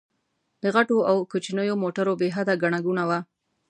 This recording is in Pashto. د غټو او کوچنيو موټرو بې حده ګڼه ګوڼه وه.